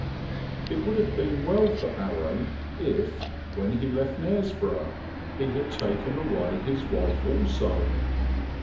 It would have been well for Aram if, when he left Knaresborough, he had taken away his wife also.